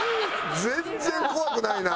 全然怖くないな！